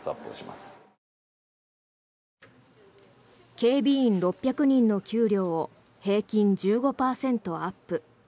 警備員６００人の給与を平均１５％アップ。